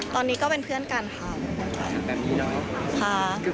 ตอนนี้ก็เป็นเพื่อนกันครับ